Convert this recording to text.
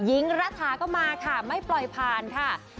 หิ้งระทาก็มาค่ะไม่ปล่อยพาระ